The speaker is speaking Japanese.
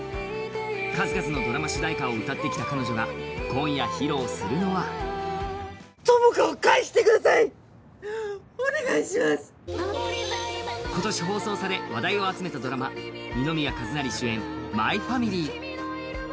数々のドラマ主題歌を歌ってきた彼女が今夜、披露するのは今年放送され話題を集めたドラマ二宮和也主演、「マイファミリー」。